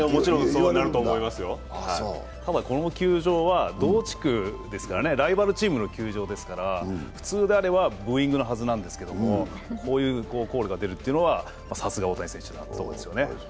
ただこの球場は同地区ですからね、ライバル球団の球場ですから普通であればブーイングのはずなんですけども、こういうコールが出るっていうのはさすが大谷選手だと思うんですよね。